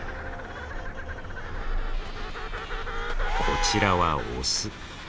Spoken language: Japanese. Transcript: こちらはオス。